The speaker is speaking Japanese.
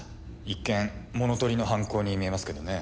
一見物盗りの犯行に見えますけどね。